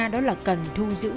đó là cần thu giữ